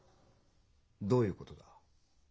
どういうことだ？